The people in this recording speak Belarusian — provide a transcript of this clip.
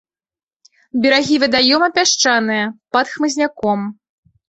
Берагі вадаёма пясчаныя, пад хмызняком.